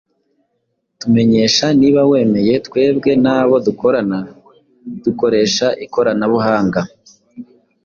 Tumenyesha niba wemeye Twebwe n'abo dukorana dukoresha ikoranabuhinga,